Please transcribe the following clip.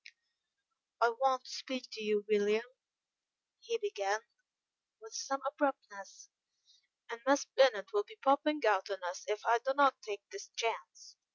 "I want to speak to you, William," he began, with some abruptness, "and Miss Bennet will be popping out on us if I do not take this chance.